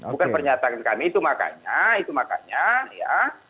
bukan pernyataan kami itu makanya itu makanya ya